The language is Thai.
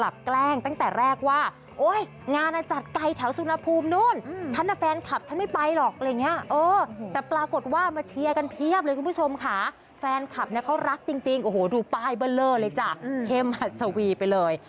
เบอร์เลอร์เลยจ๊ะเข้มหัสวีไปเลย